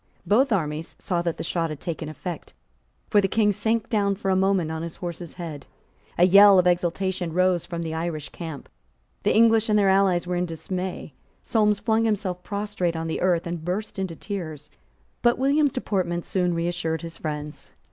Both armies saw that the shot had taken effect; for the King sank down for a moment on his horse's neck. A yell of exultation rose from the Irish camp. The English and their allies were in dismay. Solmes flung himself prostrate on the earth, and burst into tears. But William's deportment soon reassured his friends.